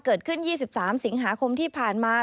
เกิดขึ้น๒๓ศ๐๙ที่ผ่านมา